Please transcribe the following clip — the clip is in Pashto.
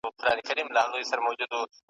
روانه ده او د دې ویرژلي اولس .